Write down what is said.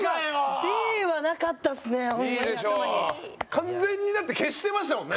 完全にだって消してましたもんね。